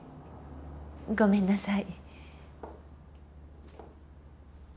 ごめんなさい。